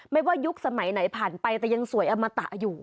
ไม่ว่ายุคสมัยไหนผ่านไปแต่ยังสวยอมตะอยู่